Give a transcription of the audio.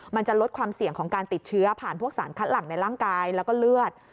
มันจะลดความเสี่ยงของการติดเชื้อผ่านพวกสารคัดหลังในร่างกายแล้วก็เลือด